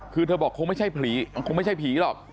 คือเธอบอกคงไม่ใช่ผีคงไม่ใช่ผีหรอก